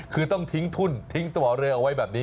คือต้องทิ้งทุ่นทิ้งสวอเรือเอาไว้แบบนี้